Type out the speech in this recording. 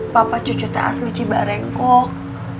papa cucu teh asli cibarengkok